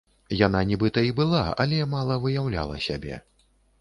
Яна нібыта і была, але мала выяўляла сябе.